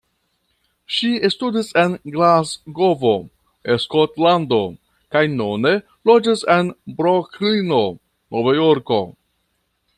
Ŝi studis en Glasgovo, Skotlando, kaj nune loĝas en Broklino, Novjorko.